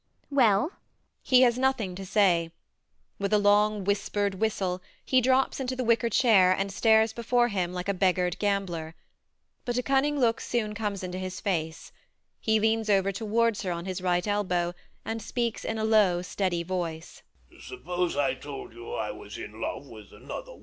ELLIE. Well? He has nothing to say. With a long whispered whistle, he drops into the wicker chair and stares before him like a beggared gambler. But a cunning look soon comes into his face. He leans over towards her on his right elbow, and speaks in a low steady voice.